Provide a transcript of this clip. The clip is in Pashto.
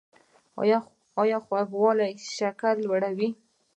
ایا خواږه شکر لوړوي؟